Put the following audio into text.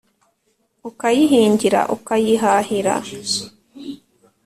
ukayihingira ukayihahira